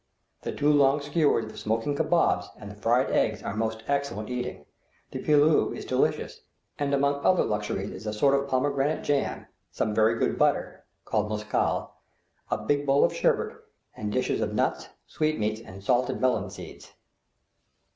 The two long skewers of smoking kabobs and the fried eggs are most excellent eating, the pillau is delicious, and among other luxuries is a sort of pomegranate jam, some very good butter (called muscal), a big bowl of sherbet, and dishes of nuts, sweetmeats, and salted melon seeds.